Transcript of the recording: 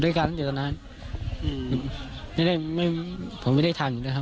ด้วยกันตั้งแต่ตอนนั้นไม่ได้ไม่ผมไม่ได้ทำอยู่แล้วครับ